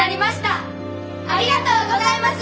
ありがとうございます！